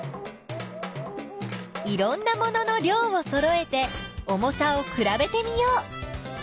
いろんなものの量をそろえて重さをくらべてみよう！